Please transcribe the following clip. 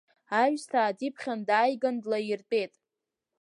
Аҩсҭаа диԥхьан дааиган длаиртәеит.